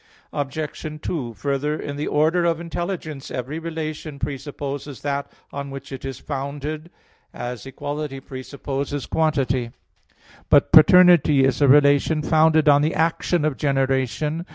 Obj. 2: Further, in the order of intelligence every relation presupposes that on which it is founded; as equality presupposes quantity. But paternity is a relation founded on the action of generation.